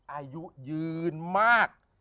อายุยืนมาก